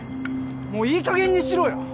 もういいかげんにしろよ。